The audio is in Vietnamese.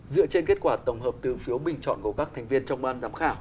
dựa trên kết quả tổng hợp từ phiếu bình chọn của các thành viên trong ban giám khảo